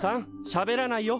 しゃべらないよ。